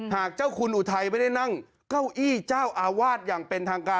หากเจ้าคุณอุทัยไม่ได้นั่งเก้าอี้เจ้าอาวาสอย่างเป็นทางการ